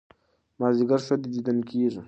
مازيګر ښه دى ديدن کېږي